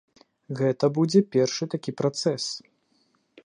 Гэта будзе першы такі працэс.